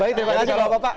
baik terima kasih lho bapak